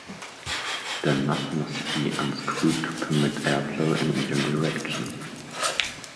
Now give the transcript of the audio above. The nut must be unscrewed to permit airflow in either direction.